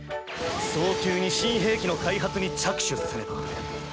早急に新兵器の開発に着手せねば。